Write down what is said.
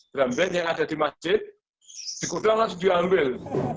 drum band yang ada di masjid di kudang langsung diambil